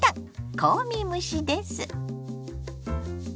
香味蒸しです。